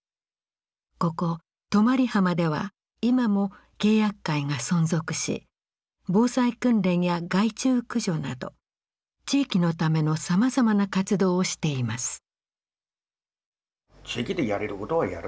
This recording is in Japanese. ここ泊浜では今も契約会が存続し防災訓練や害虫駆除など地域のためのさまざまな活動をしています。